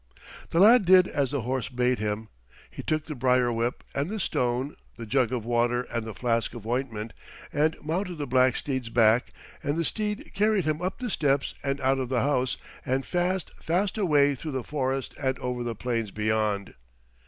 The lad did as the horse bade him; he took the briar whip and the stone, the jug of water and the flask of ointment, and mounted the black steed's back; and the steed carried him up the steps and out of the house and fast, fast away through the forest and over the plains beyond.